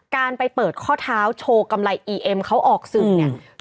การไปเปิดข้อเท้าโชว์กำไรอีเอ็มเขาออกสื่อเนี่ย